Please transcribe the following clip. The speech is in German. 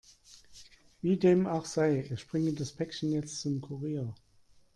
Wie dem auch sei, ich bringe das Päckchen jetzt zum Kurier.